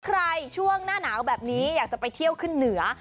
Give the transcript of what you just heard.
ช่วงหน้าหนาวแบบนี้อยากจะไปเที่ยวขึ้นเหนือ